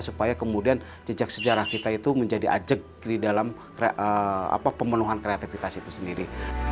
supaya kemudian jejak sejarah kita itu menjadi ajak di dalam pemenuhan kreativitas itu sendiri